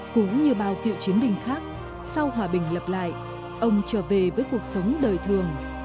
cũng như bao cựu chiến binh khác sau hòa bình lập lại ông trở về với cuộc sống đời thường